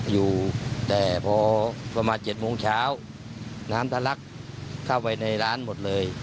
อยู่แต่พอประมาณ๗โมงเช้าน้ำทะลักเข้าไปในร้านหมดเลย